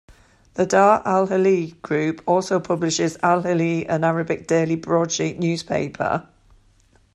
The Dar Al Khaleej group also publishes "Al Khaleej", an Arabic daily broadsheet newspaper.